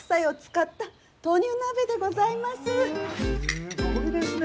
すごいですね。